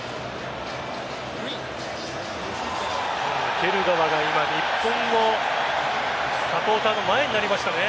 蹴る側が今、日本のサポーターの前になりました。